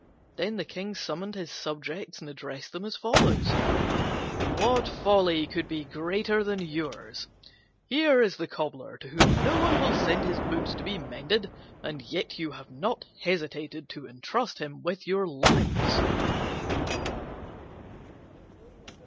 Then the King summoned his subjects and addressed them as follows: "What folly could be greater than yours? Here is this Cobbler to whom no one will send his boots to be mended, and yet you have not hesitated to entrust him with your lives!"